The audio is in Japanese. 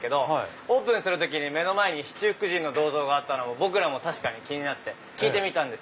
オープンする時に目の前に七福神の銅像があったのを僕らも確かに気になって聞いてみたんです。